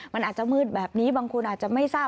มันอาจจะมืดแบบนี้บางคนอาจจะไม่ทราบ